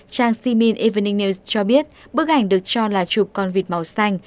trang shimine evening news cho biết bức ảnh được cho là chụp con vịt màu xanh